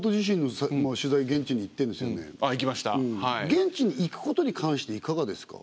現地に行くことに関していかがですか？